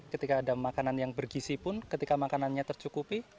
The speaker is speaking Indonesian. ketika ada makanan yang bergisi pun ketika makanannya tercukupi